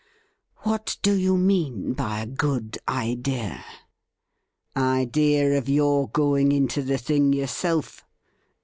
' What do you mean by a good idea ?'' Idea of your going into the thing yourself.